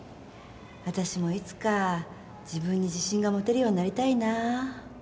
私もいつか自分に自信が持てるようになりたいな。